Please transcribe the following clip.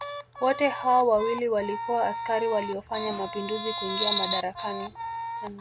Wote hao wawili walikuwa askari waliofanya mapinduzi kuingia madarakani